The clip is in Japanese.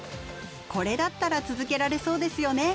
これだったら続けられそうですよね。